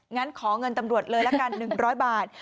งั้นขอเงินตำรวจเลยละกัน๑๐๐บาท